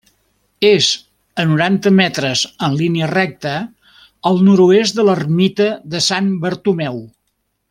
És a noranta metres en línia recta al nord-oest de l'ermita de Sant Bartomeu.